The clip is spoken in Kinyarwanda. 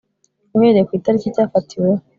uhereye ku itariki cyafatiweho